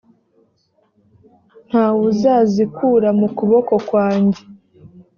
nta wuzazikura mu kuboko kwanjye